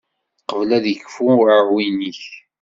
Qbel ad yekfu uεwin-ik